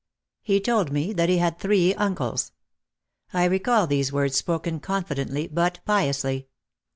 He told me that he had three uncles. I recall these words spoken confidently but piously.